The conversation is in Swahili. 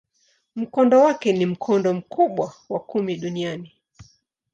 Mkondo wake ni mkondo mkubwa wa kumi duniani.